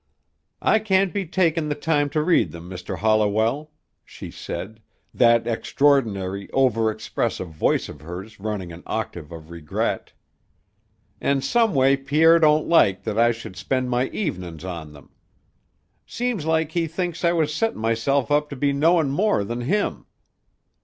"I can't be takin' the time to read them, Mr. Holliwell," she said, that extraordinary, over expressive voice of hers running an octave of regret; "an' someway Pierre don't like that I should spend my evenin's on them. Seems like he thinks I was settin' myself up to be knowin' more than him."